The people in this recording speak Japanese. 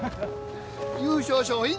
優勝賞品